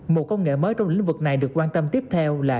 một công nghệ mới trong lĩnh vực này được quan tâm tiếp theo là